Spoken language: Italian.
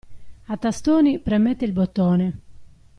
A tastoni, premette il bottone.